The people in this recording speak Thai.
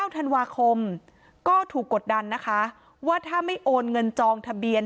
ธันวาคมก็ถูกกดดันนะคะว่าถ้าไม่โอนเงินจองทะเบียน